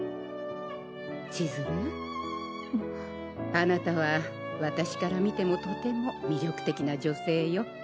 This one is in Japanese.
あなたは私から見てもとても魅力的な女性よ。